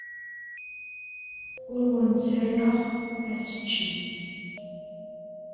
Ur awent-ttarraɣ assecci.